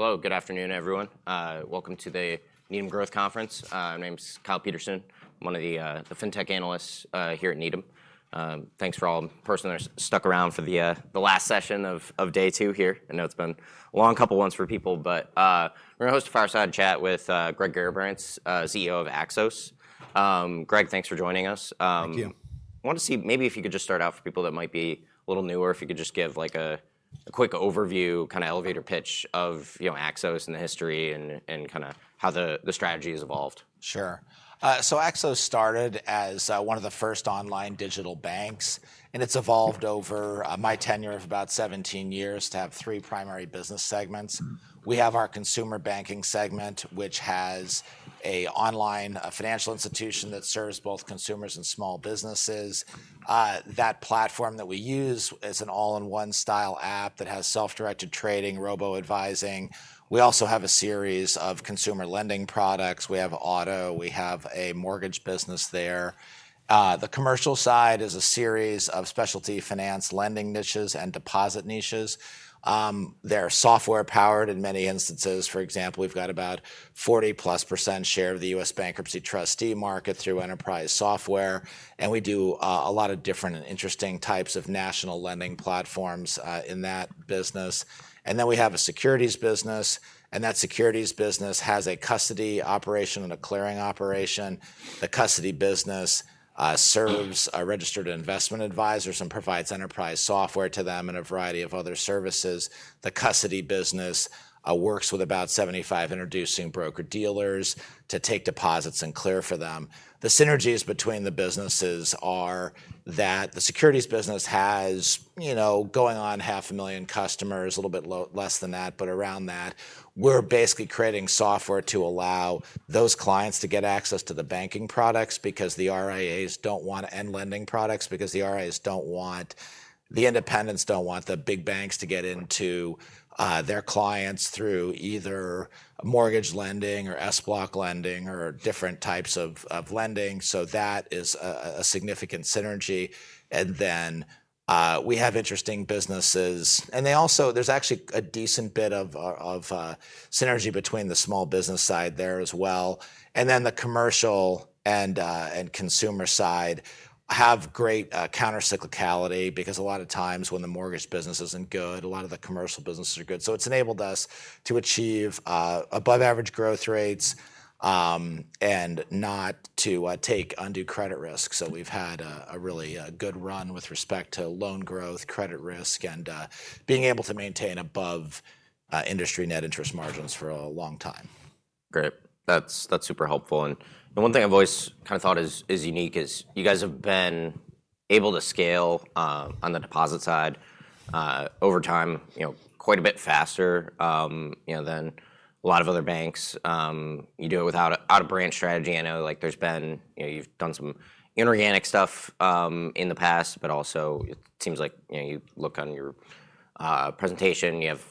Hello. Good afternoon, everyone. Welcome to the Needham Growth Conference. My name is Kyle Peterson, one of the Fintech Analysts here at Needham. Thanks for all the persons that stuck around for the last session of day two here. I know it's been a long couple of months for people, but we're going to host a fireside chat with Greg Garrabrants, CEO of Axos. Greg, thanks for joining us. Thank you. I want to see maybe if you could just start out for people that might be a little newer, if you could just give a quick overview, kind of elevator pitch of Axos and the history and kind of how the strategy has evolved. Sure. So Axos started as one of the first online digital banks, and it's evolved over my tenure of about 17 years to have three primary business segments. We have our consumer banking segment, which has an online financial institution that serves both consumers and small businesses. That platform that we use is an all-in-one style app that has self-directed trading, robo-advising. We also have a series of consumer lending products. We have auto. We have a mortgage business there. The commercial side is a series of specialty finance lending niches and deposit niches. They're software-powered in many instances. For example, we've got about 40-plus% share of the U.S. bankruptcy trustee market through enterprise software. And we do a lot of different and interesting types of national lending platforms in that business. And then we have a securities business. That securities business has a custody operation and a clearing operation. The custody business serves registered investment advisors and provides enterprise software to them and a variety of other services. The custody business works with about 75 introducing broker-dealers to take deposits and clear for them. The synergies between the businesses are that the securities business has going on 500,000 customers, a little bit less than that, but around that. We're basically creating software to allow those clients to get access to the banking products because the RIAs don't want and lending products, because the RIAs and the independents don't want the big banks to get into their clients through either mortgage lending or SBLOC lending or different types of lending. So that is a significant synergy. And then we have interesting businesses. And there's actually a decent bit of synergy between the small business side there as well. And then the commercial and consumer side have great countercyclicality because a lot of times when the mortgage business isn't good, a lot of the commercial businesses are good. So it's enabled us to achieve above-average growth rates and not to take undue credit risk. So we've had a really good run with respect to loan growth, credit risk, and being able to maintain above industry net interest margins for a long time. Great. That's super helpful. And one thing I've always kind of thought is unique is you guys have been able to scale on the deposit side over time quite a bit faster than a lot of other banks. You do it without a brand strategy. I know there's been you've done some inorganic stuff in the past, but also it seems like you look on your presentation, you have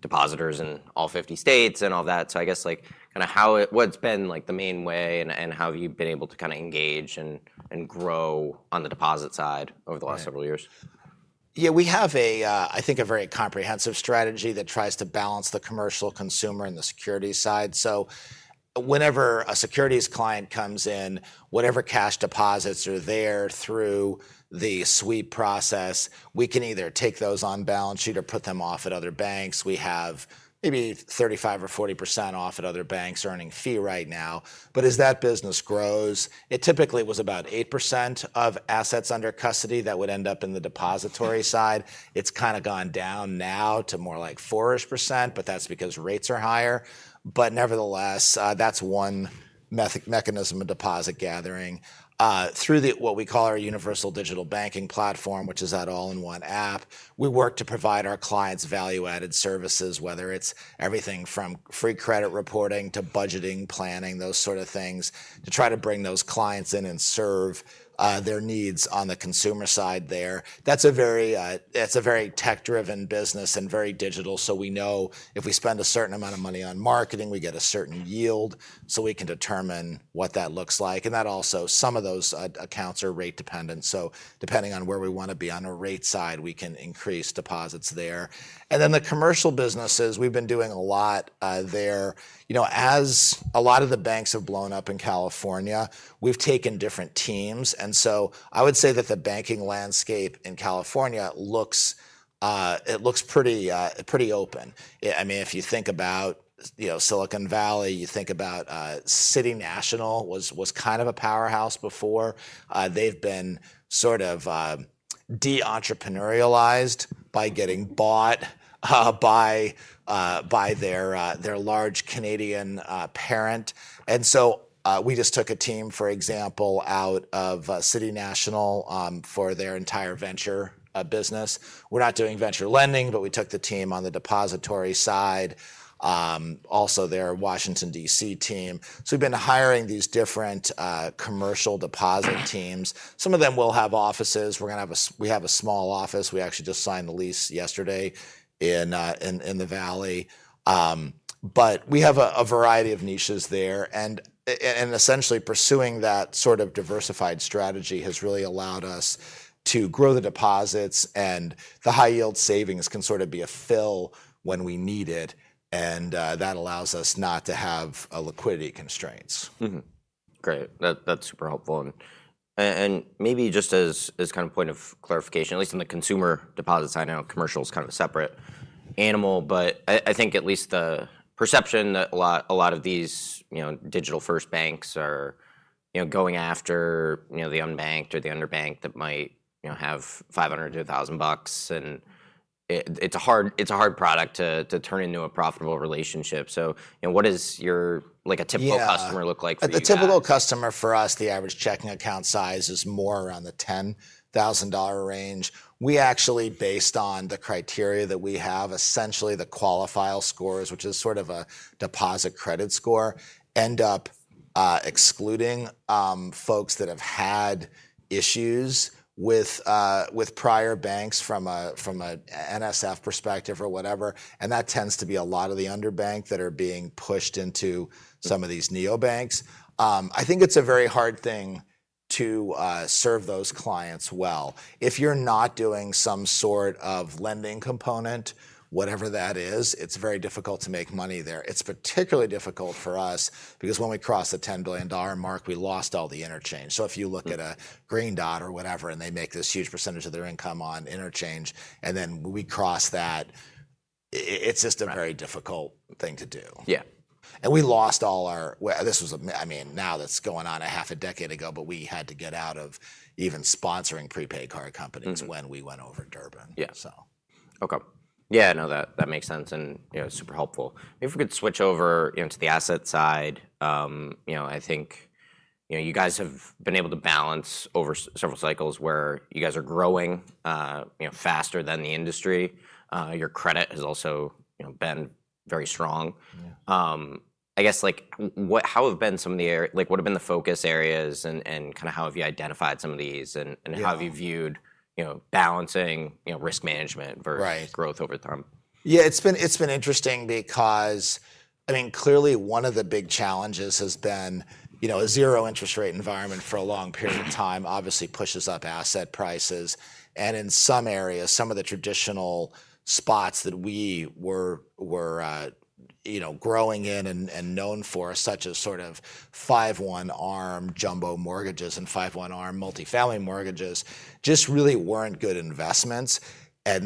depositors in all 50 states and all that. So I guess kind of what's been the main way and how have you been able to kind of engage and grow on the deposit side over the last several years? Yeah, we have, I think, a very comprehensive strategy that tries to balance the commercial, consumer, and the securities side. So whenever a securities client comes in, whatever cash deposits are there through the sweep process, we can either take those on balance sheet or put them off at other banks. We have maybe 35% or 40% off at other banks earning fee right now. But as that business grows, it typically was about 8% of assets under custody that would end up in the depository side. It's kind of gone down now to more like 4%, but that's because rates are higher. But nevertheless, that's one mechanism of deposit gathering through what we call our universal digital banking platform, which is that all-in-one app. We work to provide our clients value-added services, whether it's everything from free credit reporting to budgeting, planning, those sort of things, to try to bring those clients in and serve their needs on the consumer side there. That's a very tech-driven business and very digital. So we know if we spend a certain amount of money on marketing, we get a certain yield. So we can determine what that looks like. And that also, some of those accounts are rate dependent. So depending on where we want to be on a rate side, we can increase deposits there. And then the commercial businesses, we've been doing a lot there. As a lot of the banks have blown up in California, we've taken different teams. And so I would say that the banking landscape in California. It looks pretty open. I mean, if you think about Silicon Valley, you think about City National was kind of a powerhouse before. They've been sort of de-entrepreneurialized by getting bought by their large Canadian parent. And so we just took a team, for example, out of City National for their entire venture business. We're not doing venture lending, but we took the team on the depository side, also their Washington, D.C. team. So we've been hiring these different commercial deposit teams. Some of them will have offices. We have a small office. We actually just signed the lease yesterday in the Valley. But we have a variety of niches there. And essentially pursuing that sort of diversified strategy has really allowed us to grow the deposits. And the high-yield savings can sort of be a fill when we need it. And that allows us not to have liquidity constraints. Great. That's super helpful. And maybe just as kind of point of clarification, at least in the consumer deposit side, I know commercial is kind of a separate animal, but I think at least the perception that a lot of these digital-first banks are going after the unbanked or the underbanked that might have $500,000-$1,000. And it's a hard product to turn into a profitable relationship. So what does your typical customer look like for you? The typical customer for us, the average checking account size is more around the $10,000 range. We actually, based on the criteria that we have, essentially the QualiFile scores, which is sort of a deposit credit score, end up excluding folks that have had issues with prior banks from an NSF perspective or whatever. And that tends to be a lot of the underbanked that are being pushed into some of these neobanks. I think it's a very hard thing to serve those clients well. If you're not doing some sort of lending component, whatever that is, it's very difficult to make money there. It's particularly difficult for us because when we cross the $10 billion mark, we lost all the interchange. So if you look at a Green Dot or whatever, and they make this huge percentage of their income on interchange, and then we cross that, it's just a very difficult thing to do. Yeah. We lost all our. This was, I mean, now that's going on a half a decade ago, but we had to get out of even sponsoring prepaid card companies when we went over Durbin. Yeah. Okay. Yeah, no, that makes sense and super helpful. If we could switch over to the asset side, I think you guys have been able to balance over several cycles where you guys are growing faster than the industry. Your credit has also been very strong. I guess what have been the focus areas and kind of how have you identified some of these and how have you viewed balancing risk management versus growth over time? Yeah, it's been interesting because, I mean, clearly one of the big challenges has been a zero interest rate environment for a long period of time, obviously pushes up asset prices, and in some areas, some of the traditional spots that we were growing in and known for, such as sort of 5/1 ARM jumbo mortgages and 5/1 ARM multifamily mortgages, just really weren't good investments.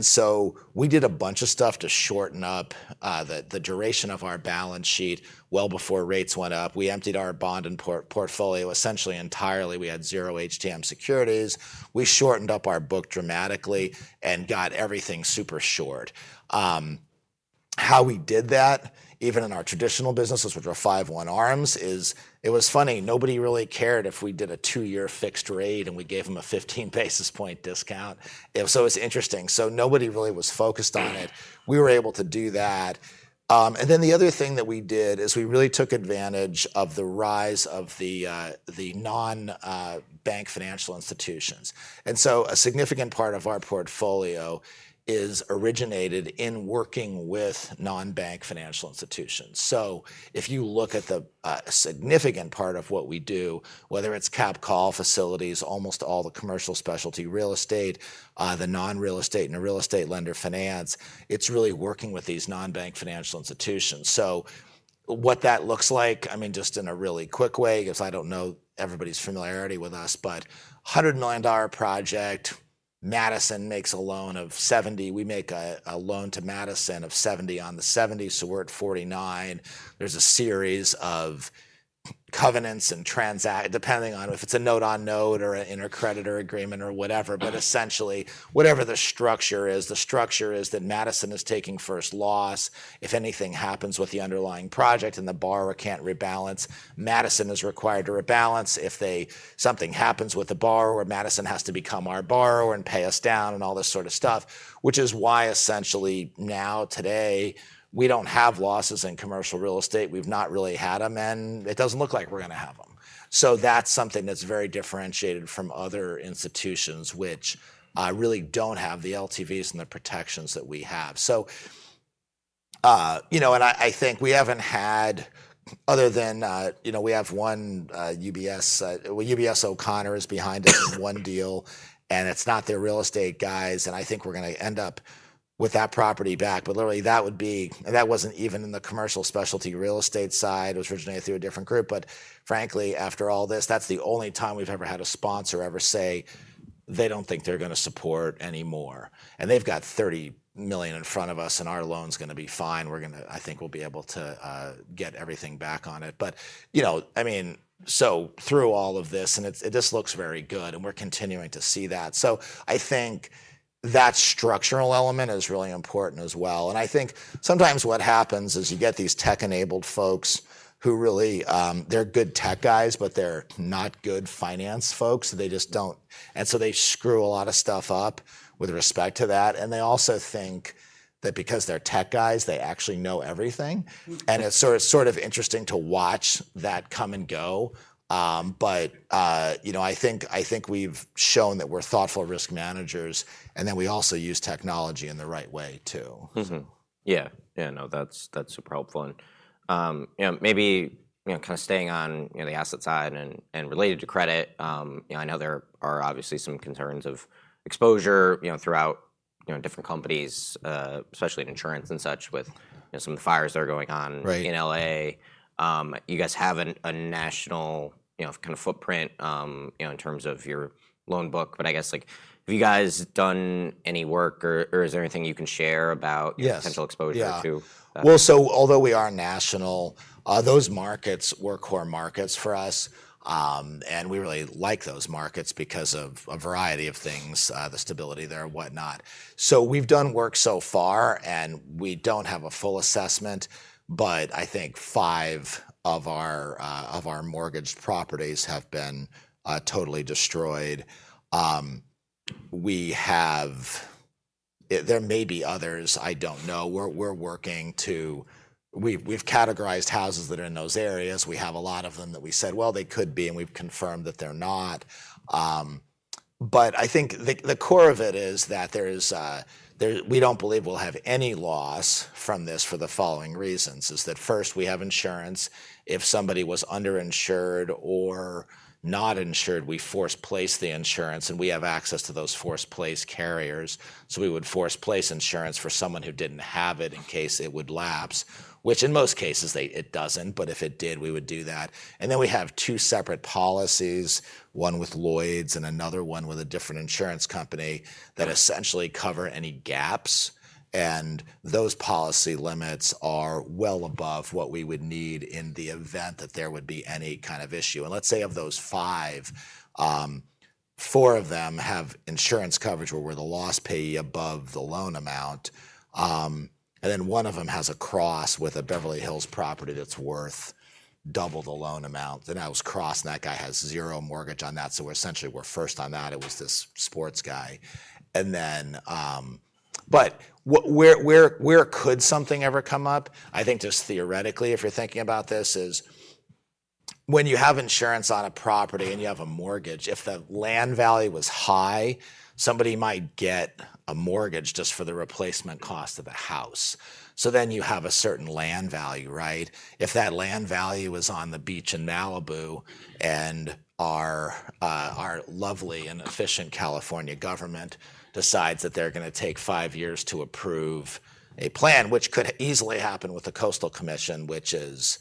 So we did a bunch of stuff to shorten up the duration of our balance sheet well before rates went up. We emptied our bond portfolio essentially entirely. We had zero HTM securities. We shortened up our book dramatically and got everything super short. How we did that, even in our traditional businesses, which were 5/1 ARMs, is it was funny. Nobody really cared if we did a two-year fixed rate and we gave them a 15 basis point discount, so it's interesting. Nobody really was focused on it. We were able to do that. Then the other thing that we did is we really took advantage of the rise of the non-bank financial institutions. So a significant part of our portfolio is originated in working with non-bank financial institutions. If you look at the significant part of what we do, whether it's capital call facilities, almost all the commercial specialty real estate, the non-real estate, and the real estate lender finance, it's really working with these non-bank financial institutions. What that looks like, I mean, just in a really quick way, because I don't know everybody's familiarity with us, but $100 million project, Madison makes a loan of 70. We make a loan to Madison of 70 on the 70. So we're at 49. There's a series of covenants and transactions, depending on if it's a note-on-note or an intercreditor agreement or whatever. But essentially, whatever the structure is, the structure is that Madison is taking first loss. If anything happens with the underlying project and the borrower can't rebalance, Madison is required to rebalance. If something happens with the borrower, Madison has to become our borrower and pay us down and all this sort of stuff, which is why essentially now, today, we don't have losses in commercial real estate. We've not really had them, and it doesn't look like we're going to have them. So that's something that's very differentiated from other institutions, which really don't have the LTVs and the protections that we have. And I think we haven't had, other than we have one UBS, UBS O'Connor is behind us in one deal, and it's not their real estate guys. And I think we're going to end up with that property back. But literally, that would be. That wasn't even in the commercial specialty real estate side. It was originated through a different group. But frankly, after all this, that's the only time we've ever had a sponsor ever say they don't think they're going to support anymore. And they've got $30 million in front of us, and our loan's going to be fine. I think we'll be able to get everything back on it. But I mean, so through all of this, and it just looks very good, and we're continuing to see that. So I think that structural element is really important as well. And I think sometimes what happens is you get these tech-enabled folks who really. They're good tech guys, but they're not good finance folks. And so they screw a lot of stuff up with respect to that. And they also think that because they're tech guys, they actually know everything. And it's sort of interesting to watch that come and go. But I think we've shown that we're thoughtful risk managers, and then we also use technology in the right way too. Yeah. Yeah, no, that's super helpful. And maybe kind of staying on the asset side and related to credit, I know there are obviously some concerns of exposure throughout different companies, especially in insurance and such with some of the fires that are going on in LA. You guys have a national kind of footprint in terms of your loan book. But I guess have you guys done any work, or is there anything you can share about potential exposure to? Yeah. Well, so although we are national, those markets were core markets for us. And we really like those markets because of a variety of things, the stability there and whatnot. So we've done work so far, and we don't have a full assessment, but I think five of our mortgage properties have been totally destroyed. There may be others. I don't know. We're working. We've categorized houses that are in those areas. We have a lot of them that we said, well, they could be, and we've confirmed that they're not. But I think the core of it is that we don't believe we'll have any loss from this for the following reasons. First, we have insurance. If somebody was underinsured or not insured, we force-place the insurance, and we have access to those force-place carriers. So we would force-place insurance for someone who didn't have it in case it would lapse, which in most cases, it doesn't. But if it did, we would do that. And then we have two separate policies, one with Lloyd's and another one with a different insurance company that essentially cover any gaps. And those policy limits are well above what we would need in the event that there would be any kind of issue. And let's say of those five, four of them have insurance coverage where we're the loss payee above the loan amount. And then one of them has a cross with a Beverly Hills property that's worth double the loan amount. Then I was crossed, and that guy has zero mortgage on that. So essentially, we're first on that. It was this sports guy. But where could something ever come up? I think just theoretically, if you're thinking about this, is when you have insurance on a property and you have a mortgage, if the land value was high, somebody might get a mortgage just for the replacement cost of the house. So then you have a certain land value, right? If that land value was on the beach in Malibu and our lovely and efficient California government decides that they're going to take five years to approve a plan, which could easily happen with the Coastal Commission, which is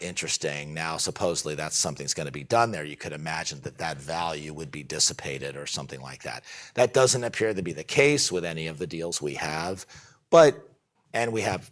interesting. Now, supposedly, that's something that's going to be done there. You could imagine that that value would be dissipated or something like that. That doesn't appear to be the case with any of the deals we have but and we have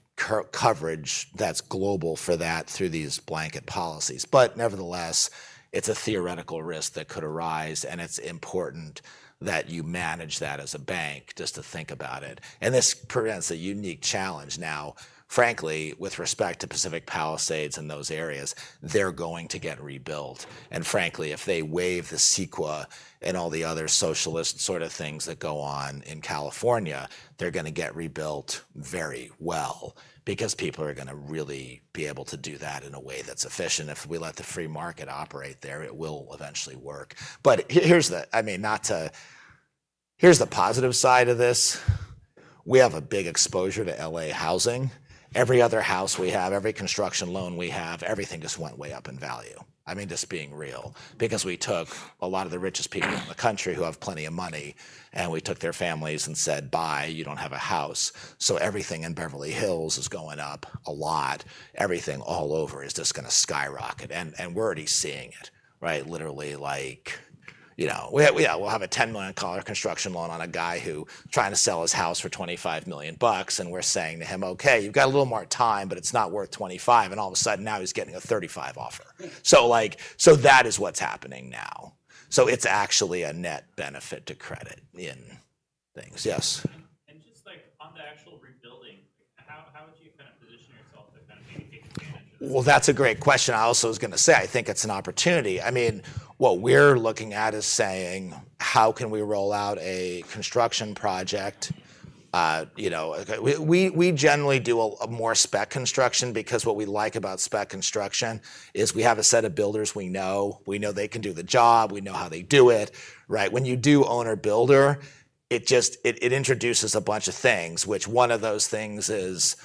coverage that's global for that through these blanket policies. But nevertheless, it's a theoretical risk that could arise, and it's important that you manage that as a bank just to think about it. And this presents a unique challenge now. Frankly, with respect to Pacific Palisades and those areas, they're going to get rebuilt. And frankly, if they waive the CEQA and all the other socialist sort of things that go on in California, they're going to get rebuilt very well because people are going to really be able to do that in a way that's efficient. If we let the free market operate there, it will eventually work. But here's the positive side of this. We have a big exposure to LA housing. Every other house we have, every construction loan we have, everything just went way up in value. I mean, just being real, because we took a lot of the richest people in the country who have plenty of money, and we took their families and said, "Buy, you don't have a house." So everything in Beverly Hills is going up a lot. Everything all over is just going to skyrocket. And we're already seeing it, right? Literally, we'll have a $10 million construction loan on a guy who's trying to sell his house for $25 million bucks, and we're saying to him, "Okay, you've got a little more time, but it's not worth $25," and all of a sudden now he's getting a $35 offer. So that is what's happening now. So it's actually a net benefit to credit in things. Yes. Just on the actual rebuilding, how would you kind of position yourself to kind of maybe take advantage of this? That's a great question. I also was going to say, I think it's an opportunity. I mean, what we're looking at is saying, how can we roll out a construction project? We generally do a more spec construction because what we like about spec construction is we have a set of builders we know. We know they can do the job. We know how they do it. When you do owner-builder, it introduces a bunch of things, which one of those things is,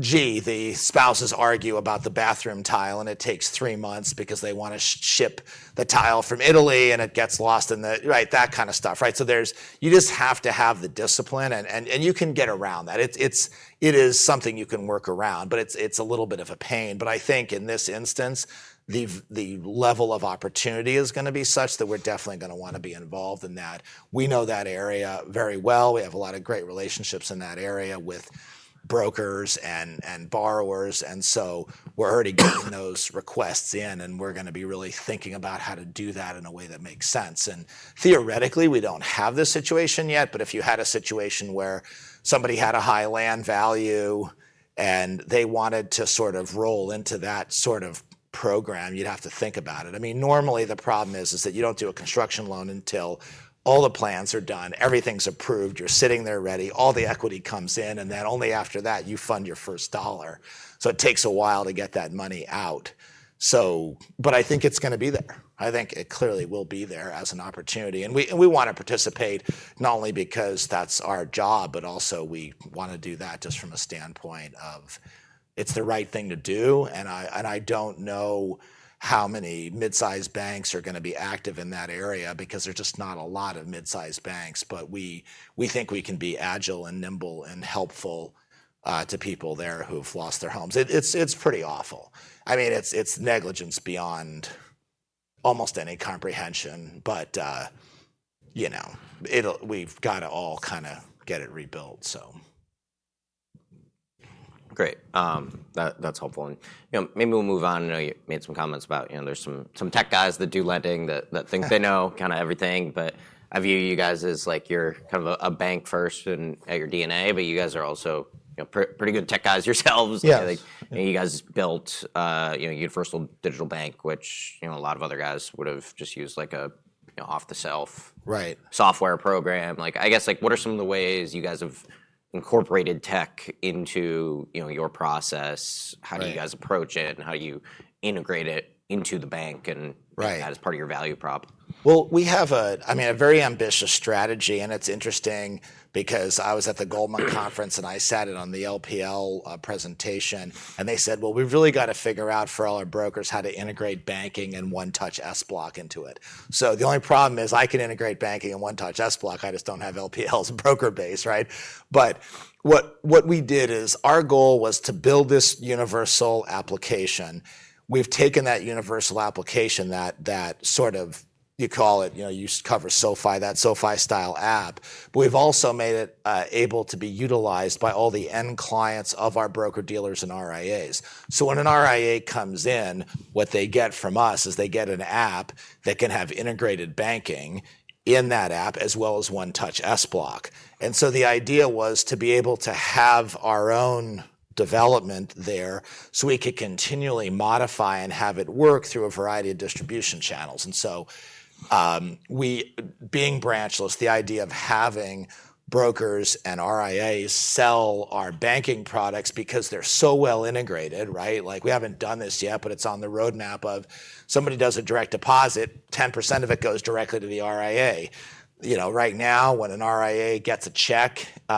gee, the spouses argue about the bathroom tile, and it takes three months because they want to ship the tile from Italy, and it gets lost in the, right, that kind of stuff. So you just have to have the discipline, and you can get around that. It is something you can work around, but it's a little bit of a pain. But I think in this instance, the level of opportunity is going to be such that we're definitely going to want to be involved in that. We know that area very well. We have a lot of great relationships in that area with brokers and borrowers. And so we're already getting those requests in, and we're going to be really thinking about how to do that in a way that makes sense. And theoretically, we don't have this situation yet, but if you had a situation where somebody had a high land value and they wanted to sort of roll into that sort of program, you'd have to think about it. I mean, normally the problem is that you don't do a construction loan until all the plans are done, everything's approved, you're sitting there ready, all the equity comes in, and then only after that you fund your first dollar. So it takes a while to get that money out. But I think it's going to be there. I think it clearly will be there as an opportunity. And we want to participate not only because that's our job, but also we want to do that just from a standpoint of it's the right thing to do. And I don't know how many mid-sized banks are going to be active in that area because there's just not a lot of mid-sized banks. But we think we can be agile and nimble and helpful to people there who've lost their homes. It's pretty awful. I mean, it's negligence beyond almost any comprehension. But we've got to all kind of get it rebuilt, so. Great. That's helpful, and maybe we'll move on. I know you made some comments about there's some tech guys that do lending that think they know kind of everything, but I view you guys as like you're kind of a bank first and at your DNA, but you guys are also pretty good tech guys yourselves. You guys built a universal digital bank, which a lot of other guys would have just used like an off-the-shelf software program. I guess what are some of the ways you guys have incorporated tech into your process? How do you guys approach it, and how do you integrate it into the bank as part of your value prop? We have, I mean, a very ambitious strategy. It's interesting because I was at the Goldman Conference, and I sat in on the LPL presentation. They said, "Well, we've really got to figure out for all our brokers how to integrate banking and OneTouch SBLOC into it." The only problem is I can integrate banking and OneTouch SBLOC. I just don't have LPL's broker base, right? But what we did is our goal was to build this universal application. We've taken that universal application, that sort of, you call it, you cover SoFi, that SoFi style app. But we've also made it able to be utilized by all the end clients of our broker-dealers and RIAs. When an RIA comes in, what they get from us is they get an app that can have integrated banking in that app as well as 1-Touch SBLOC. And so the idea was to be able to have our own development there so we could continually modify and have it work through a variety of distribution channels. And so being branchless, the idea of having brokers and RIAs sell our banking products because they're so well integrated, right? We haven't done this yet, but it's on the roadmap of somebody does a direct deposit, 10% of it goes directly to the RIA. Right now, when an RIA gets a check, they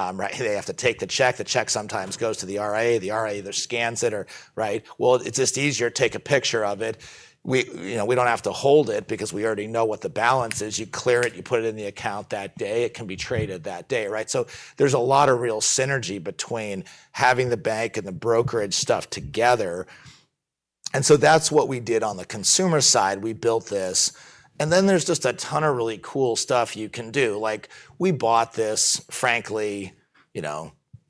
have to take the check. The check sometimes goes to the RIA. The RIA either scans it or, right? Well, it's just easier to take a picture of it. We don't have to hold it because we already know what the balance is. You clear it. You put it in the account that day. It can be traded that day. So there's a lot of real synergy between having the bank and the brokerage stuff together. And so that's what we did on the consumer side. We built this. And then there's just a ton of really cool stuff you can do. We bought this, frankly,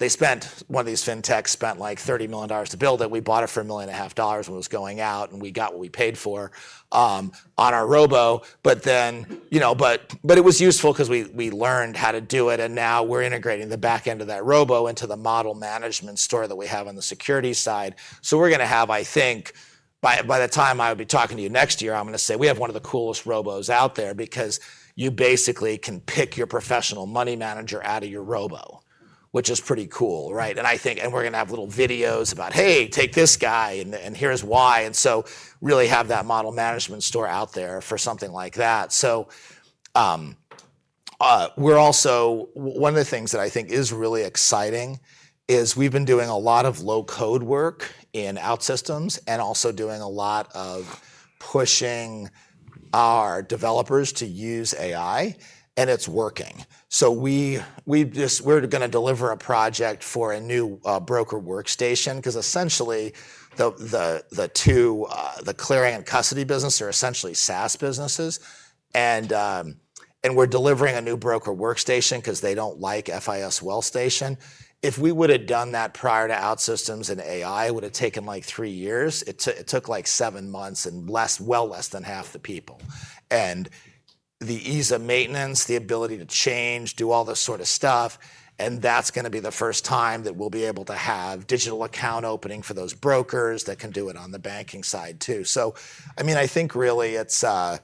one of these fintechs spent like $30 million to build it. We bought it for $1.5 million when it was going out, and we got what we paid for on our robo. But it was useful because we learned how to do it. And now we're integrating the back end of that robo into the model management store that we have on the security side. So we're going to have, I think, by the time I'll be talking to you next year, I'm going to say we have one of the coolest robos out there because you basically can pick your professional money manager out of your robo, which is pretty cool, right? And we're going to have little videos about, "Hey, take this guy, and here's why." And so really have that model management store out there for something like that. One of the things that I think is really exciting is we've been doing a lot of low-code work in OutSystems and also doing a lot of pushing our developers to use AI, and it's working. We're going to deliver a project for a new broker workstation because essentially the clearing and custody business are essentially SaaS businesses. We're delivering a new broker workstation because they don't like FIS WealthStation. If we would have done that prior to OutSystems and AI, it would have taken like three years. It took like seven months and well less than half the people, and the ease of maintenance, the ability to change, do all this sort of stuff, and that's going to be the first time that we'll be able to have digital account opening for those brokers that can do it on the banking side too, so I mean, I think really it's a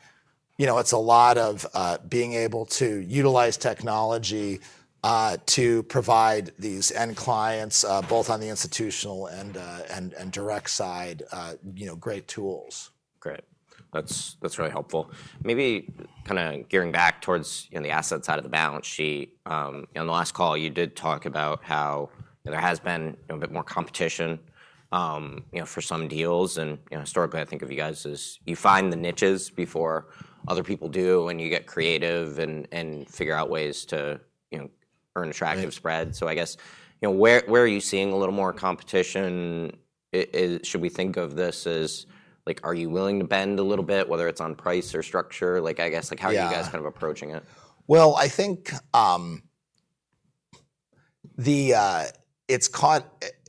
lot of being able to utilize technology to provide these end clients, both on the institutional and direct side, great tools. Great. That's really helpful. Maybe kind of gearing back towards the asset side of the balance sheet, on the last call, you did talk about how there has been a bit more competition for some deals. And historically, I think of you guys as you find the niches before other people do, and you get creative and figure out ways to earn attractive spreads. So I guess where are you seeing a little more competition? Should we think of this as, are you willing to bend a little bit, whether it's on price or structure? I guess how are you guys kind of approaching it? I think it's caught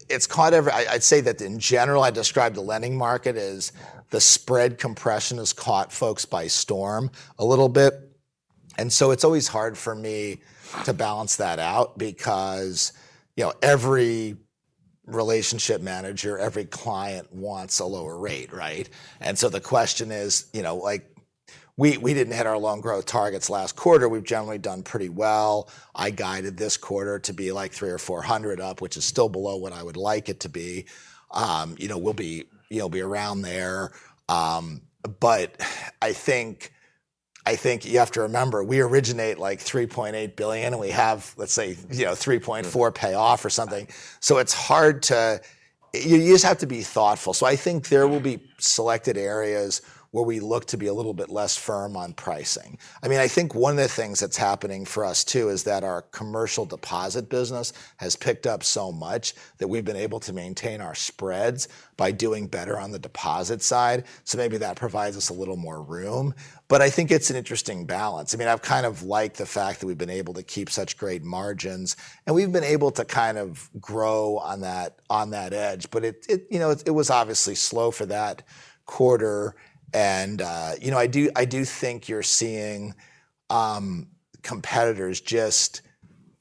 everyone. I'd say that in general, I describe the lending market as the spread compression has caught folks by storm a little bit. And so it's always hard for me to balance that out because every relationship manager, every client wants a lower rate, right? And so the question is, we didn't hit our loan growth targets last quarter. We've generally done pretty well. I guided this quarter to be like 300 or 400 up, which is still below what I would like it to be. We'll be around there, but I think you have to remember, we originate like $3.8 billion, and we have, let's say, $3.4 billion payoff or something. So it's hard too. You just have to be thoughtful, so I think there will be selected areas where we look to be a little bit less firm on pricing. I mean, I think one of the things that's happening for us too is that our commercial deposit business has picked up so much that we've been able to maintain our spreads by doing better on the deposit side. So maybe that provides us a little more room. But I think it's an interesting balance. I mean, I've kind of liked the fact that we've been able to keep such great margins, and we've been able to kind of grow on that edge. But it was obviously slow for that quarter. And I do think you're seeing competitors just,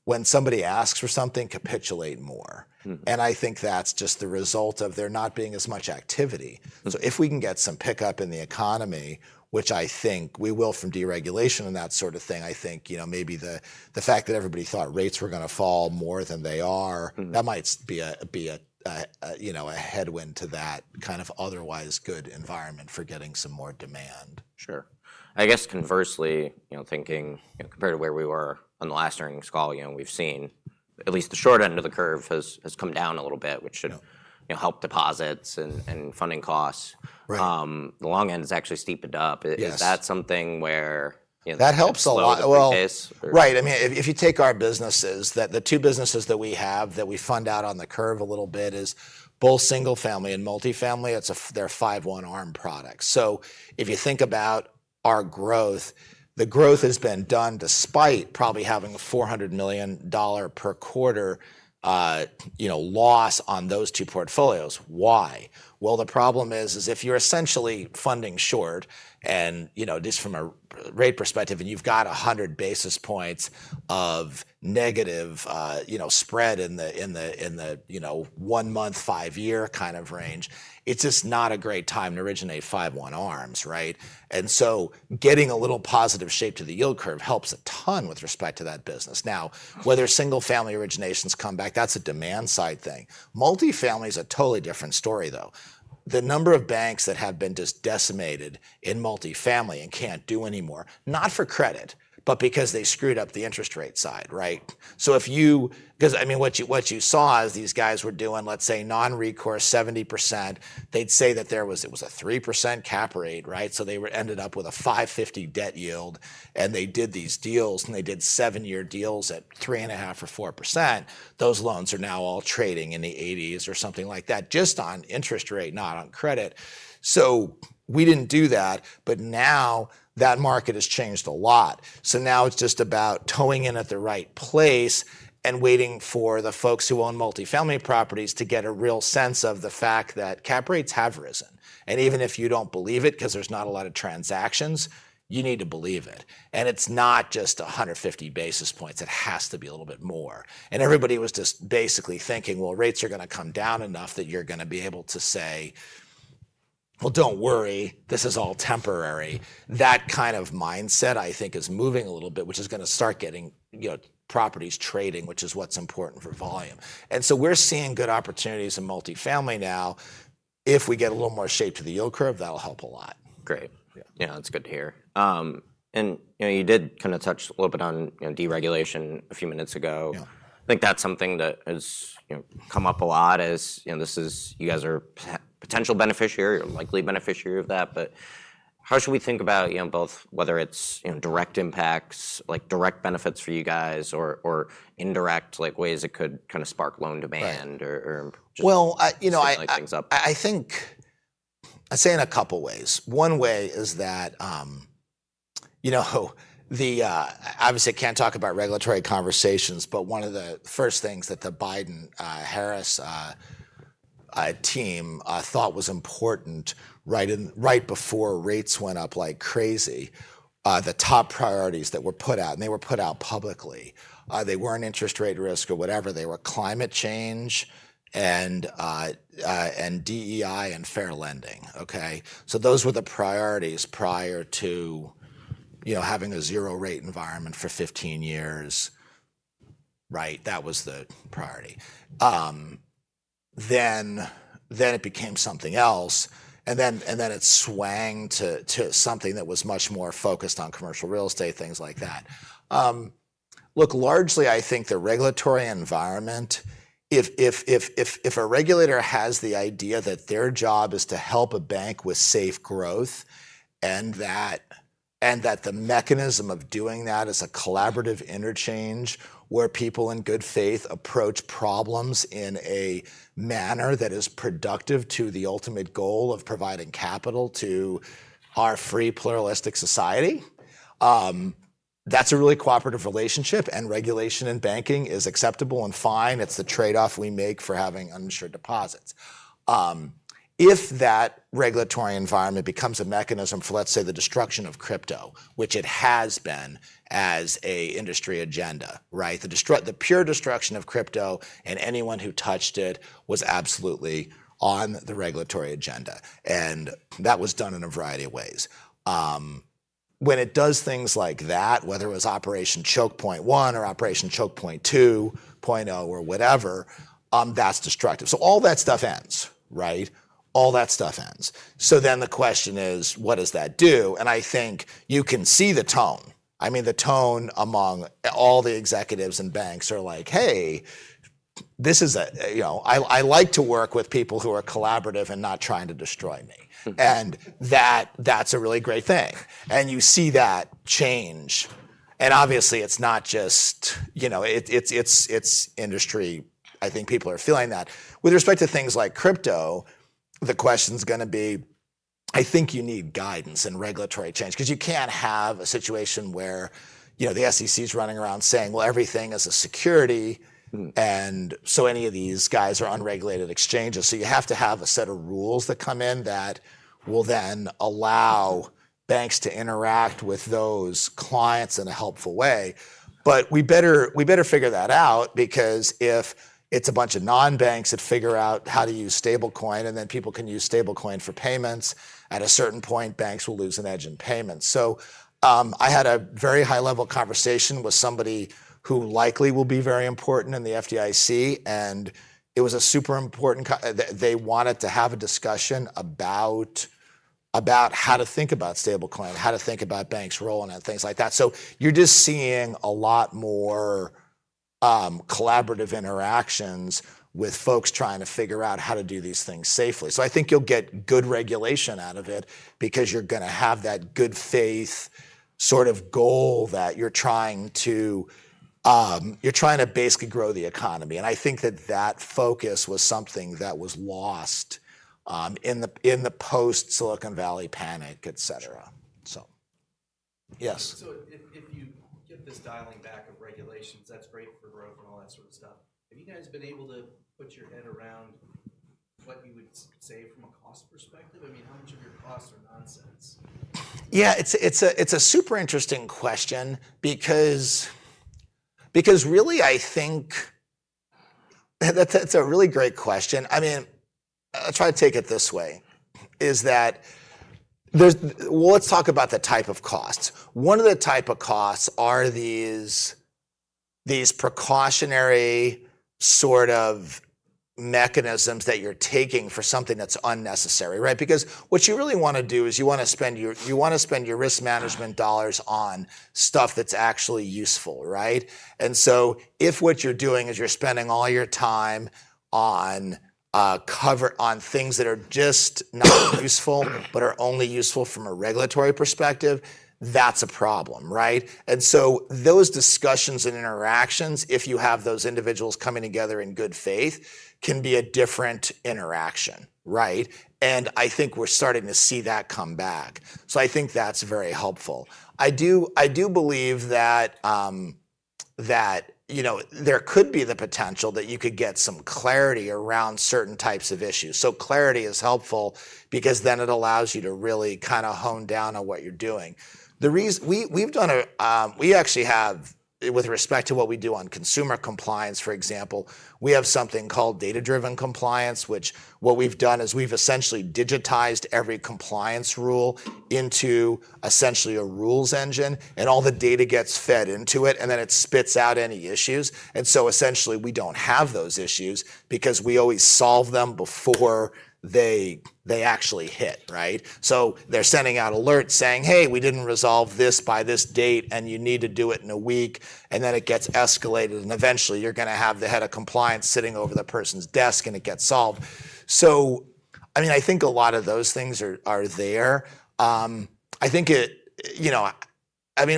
when somebody asks for something, capitulate more. And I think that's just the result of there not being as much activity. If we can get some pickup in the economy, which I think we will from deregulation and that sort of thing, I think maybe the fact that everybody thought rates were going to fall more than they are, that might be a headwind to that kind of otherwise good environment for getting some more demand. Sure. I guess conversely, thinking compared to where we were on the last earnings call, we've seen at least the short end of the curve has come down a little bit, which should help deposits and funding costs. The long end has actually steepened up. Is that something where? That helps a lot, well, right. I mean, if you take our businesses, the two businesses that we have that we fund out on the curve a little bit is both single-family and multifamily. They're 5/1 ARM products. So if you think about our growth, the growth has been done despite probably having a $400 million per quarter loss on those two portfolios. Why? Well, the problem is if you're essentially funding short, and just from a rate perspective, and you've got 100 basis points of negative spread in the one-month, five-year kind of range, it's just not a great time to originate 5/1 ARMs, right? And so getting a little positive shape to the yield curve helps a ton with respect to that business. Now, whether single-family originations come back, that's a demand-side thing. Multifamily is a totally different story, though. The number of banks that have been just decimated in multifamily and can't do anymore, not for credit, but because they screwed up the interest rate side, right? Because I mean, what you saw is these guys were doing, let's say, non-recourse 70%. They'd say that there was a 3% cap rate, right? So they ended up with a 5.50 Debt Yield. And they did these deals, and they did seven-year deals at 3.5% or 4%. Those loans are now all trading in the 80s or something like that, just on interest rate, not on credit. So we didn't do that, but now that market has changed a lot. So now it's just about toeing in at the right place and waiting for the folks who own multifamily properties to get a real sense of the fact that cap rates have risen. Even if you don't believe it because there's not a lot of transactions, you need to believe it. It's not just 150 basis points. It has to be a little bit more. Everybody was just basically thinking, well, rates are going to come down enough that you're going to be able to say, well, don't worry, this is all temporary. That kind of mindset, I think, is moving a little bit, which is going to start getting properties trading, which is what's important for volume. We're seeing good opportunities in multifamily now. If we get a little more shape to the yield curve, that'll help a lot. Great. Yeah, that's good to hear. And you did kind of touch a little bit on deregulation a few minutes ago. I think that's something that has come up a lot as you guys are potential beneficiaries or likely beneficiaries of that. But how should we think about both whether it's direct impacts, like direct benefits for you guys, or indirect ways it could kind of spark loan demand or just generally things up? I think I'll say in a couple of ways. One way is that obviously, I can't talk about regulatory conversations, but one of the first things that the Biden-Harris team thought was important right before rates went up like crazy, the top priorities that were put out, and they were put out publicly. They weren't interest rate risk or whatever. They were climate change and DEI and fair lending, OK? Those were the priorities prior to having a zero-rate environment for 15 years, right? That was the priority. It became something else. It swung to something that was much more focused on commercial real estate, things like that. Look, largely, I think the regulatory environment, if a regulator has the idea that their job is to help a bank with safe growth and that the mechanism of doing that is a collaborative interchange where people in good faith approach problems in a manner that is productive to the ultimate goal of providing capital to our free pluralistic society, that's a really cooperative relationship. And regulation in banking is acceptable and fine. It's the trade-off we make for having uninsured deposits. If that regulatory environment becomes a mechanism for, let's say, the destruction of crypto, which it has been as an industry agenda, right? The pure destruction of crypto and anyone who touched it was absolutely on the regulatory agenda. And that was done in a variety of ways. When it does things like that, whether it was Operation Choke Point 1 or Operation Choke Point 2.0 or whatever, that's destructive. So all that stuff ends, right? All that stuff ends. So then the question is, what does that do? And I think you can see the tone. I mean, the tone among all the executives and banks are like, hey, I like to work with people who are collaborative and not trying to destroy me. And that's a really great thing. And you see that change. And obviously, it's not just industry. I think people are feeling that. With respect to things like crypto, the question's going to be, I think you need guidance and regulatory change because you can't have a situation where the SEC's running around saying, well, everything is a security. And so any of these guys are unregulated exchanges. You have to have a set of rules that come in that will then allow banks to interact with those clients in a helpful way. But we better figure that out because if it's a bunch of non-banks that figure out how to use stablecoin, and then people can use stablecoin for payments, at a certain point, banks will lose an edge in payments. I had a very high-level conversation with somebody who likely will be very important in the FDIC. And it was super important. They wanted to have a discussion about how to think about stablecoin, how to think about banks' role and things like that. You're just seeing a lot more collaborative interactions with folks trying to figure out how to do these things safely. So I think you'll get good regulation out of it because you're going to have that good faith sort of goal that you're trying to basically grow the economy. And I think that that focus was something that was lost in the post-Silicon Valley panic, etc So yes. So if you get this dialing back of regulations, that's great for growth and all that sort of stuff. Have you guys been able to put your head around what you would say from a cost perspective? I mean, how much of your costs are nonsense? Yeah, it's a super interesting question because really, I think that's a really great question. I mean, I'll try to take it this way, is that let's talk about the type of costs. One of the type of costs are these precautionary sort of mechanisms that you're taking for something that's unnecessary, right? Because what you really want to do is you want to spend your risk management dollars on stuff that's actually useful, right? And so if what you're doing is you're spending all your time on things that are just not useful but are only useful from a regulatory perspective, that's a problem, right? And so those discussions and interactions, if you have those individuals coming together in good faith, can be a different interaction, right? And I think we're starting to see that come back. So I think that's very helpful. I do believe that there could be the potential that you could get some clarity around certain types of issues. So clarity is helpful because then it allows you to really kind of hone down on what you're doing. We actually have, with respect to what we do on consumer compliance, for example, we have something called data-driven compliance, which what we've done is we've essentially digitized every compliance rule into essentially a rules engine. And all the data gets fed into it, and then it spits out any issues. And so essentially, we don't have those issues because we always solve them before they actually hit, right? So they're sending out alerts saying, hey, we didn't resolve this by this date, and you need to do it in a week. And then it gets escalated. And eventually, you're going to have the head of compliance sitting over the person's desk, and it gets solved. So I mean, I think a lot of those things are there. I mean,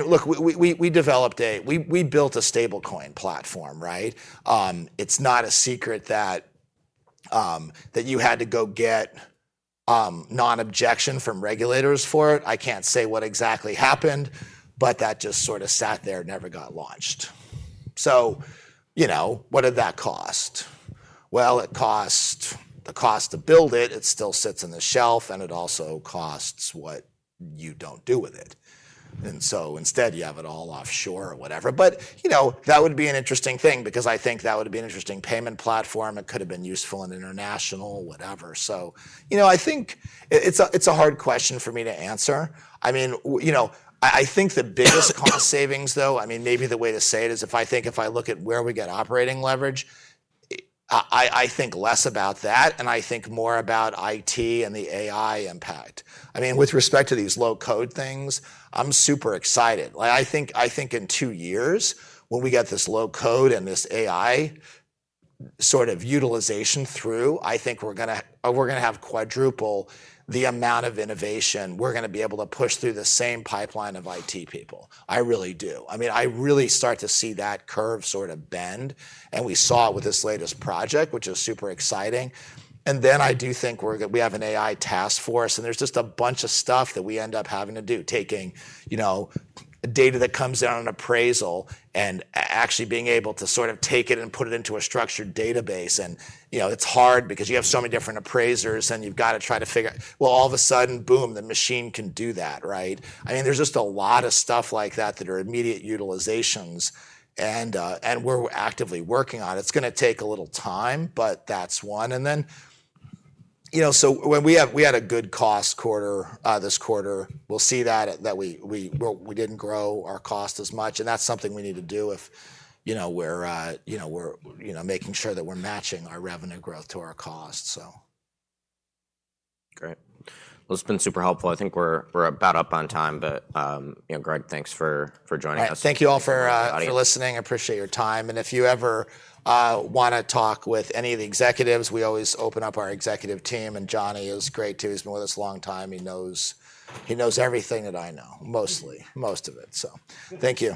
look, we built a stablecoin platform, right? It's not a secret that you had to go get non-objection from regulators for it. I can't say what exactly happened, but that just sort of sat there and never got launched. So what did that cost? Well, it cost the cost to build it. It still sits on the shelf, and it also costs what you don't do with it. And so instead, you have it all offshore or whatever. But that would be an interesting thing because I think that would have been an interesting payment platform. It could have been useful in international, whatever. So I think it's a hard question for me to answer. I mean, I think the biggest cost savings, though, I mean, maybe the way to say it is if I think if I look at where we get operating leverage, I think less about that, and I think more about IT and the AI impact. I mean, with respect to these low-code things, I'm super excited. I think in two years, when we get this low-code and this AI sort of utilization through, I think we're going to have quadruple the amount of innovation. We're going to be able to push through the same pipeline of IT people. I really do. I mean, I really start to see that curve sort of bend, and we saw it with this latest project, which is super exciting, and then I do think we have an AI task force. And there's just a bunch of stuff that we end up having to do, taking data that comes in on appraisal and actually being able to sort of take it and put it into a structured database. And it's hard because you have so many different appraisers, and you've got to try to figure out, well, all of a sudden, boom, the machine can do that, right? I mean, there's just a lot of stuff like that that are immediate utilizations. And we're actively working on it. It's going to take a little time, but that's one. And then so we had a good cost quarter this quarter. We'll see that we didn't grow our cost as much. And that's something we need to do if we're making sure that we're matching our revenue growth to our cost, so. Great. Well, it's been super helpful. I think we're about up on time. But Greg, thanks for joining us. Thank you all for listening. I appreciate your time. And if you ever want to talk with any of the executives, we always open up our executive team. And Johnny is great too. He's been with us a long time. He knows everything that I know, mostly, most of it. So thank you.